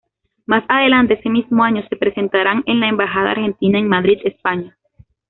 Más adelante ese mismo año se presentarán en la Embajada Argentina en Madrid, España.